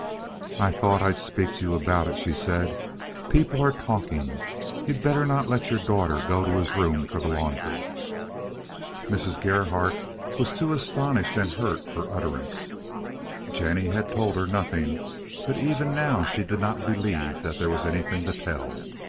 "I thought I'd speak to you about it," she said. "People are talking. You'd better not let your daughter go to his room for the laundry." Mrs. Gerhardt was too astonished and hurt for utterance. Jennie had told her nothing, but even now she did not believe there was anything to tell.